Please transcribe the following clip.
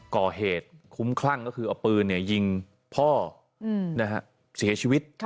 ก่อเหตุคุ้มคลั่งก็คือเอาปืนยิงพ่อเสียชีวิต